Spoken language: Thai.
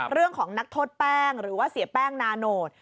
เรื่องของนักโทษแป้งหรือว่าเสียแป้งนาโนด